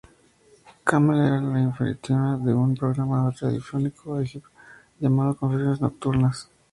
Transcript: Kamel era la anfitriona de un programa radiofónico egipcio llamado "Confesiones nocturnas.